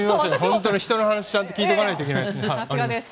当に、人の話をちゃんと聞いておかないといけないですね。